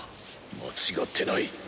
間違ってない。